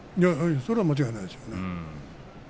それは間違いないでしょうね。